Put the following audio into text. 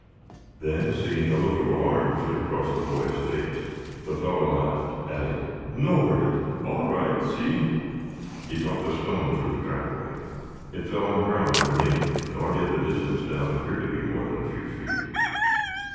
Then, seeing a look of alarm flit across the boy's face, the fellow laughed, adding: "No hurt. All right. See?" He dropped a stone through the trapway. It fell on ground underneath, nor did the distance down appear to be more than a few feet.